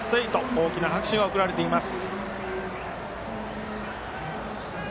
大きな拍手が送られています。